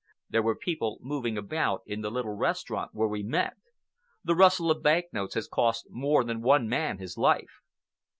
There were people moving about in the little restaurant where we met. The rustle of bank notes has cost more than one man his life.